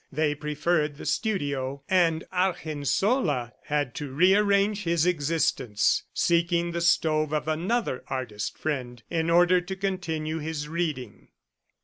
They preferred the studio, and Argensola had to rearrange his existence, seeking the stove of another artist friend, in order to continue his reading.